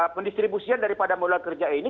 pendistribusian daripada modal kerja ini